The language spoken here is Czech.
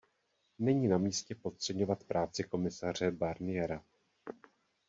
Není na místě podceňovat práci komisaře Barniera.